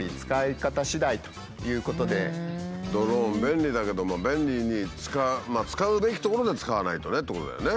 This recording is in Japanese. ドローン便利だけども便利に使うべきところで使わないとねってことだよね。